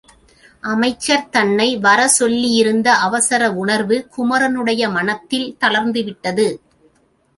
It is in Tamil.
அமைச்சர் தன்னை வரச்சொல்லியிருந்த அவசர உணர்வு குமரனுடைய மனத்தில் தளர்ந்துவிட்டது.